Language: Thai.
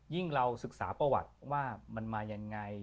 เราศึกษาประวัติว่ามันมายังไง